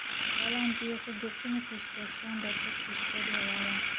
Hevalan ciyê xwe girtin û pêşkêşvan, derket pêşberî hevalan